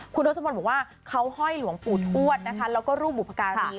คุณท้นทรปนบอกว่าเขาห้อยหลวงปู่ทวดแล้วก็รูปบุปการณ์ดี